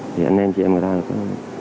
thì anh em chị em người ta có